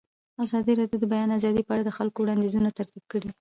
ازادي راډیو د د بیان آزادي په اړه د خلکو وړاندیزونه ترتیب کړي.